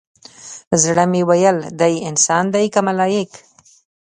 زړه مې ويل دى انسان دى كه ملايك؟